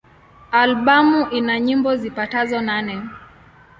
Albamu ina nyimbo zipatazo nane.